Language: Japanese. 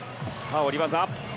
下り技。